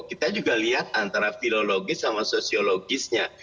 kita juga lihat antara fiologis sama sosiologisnya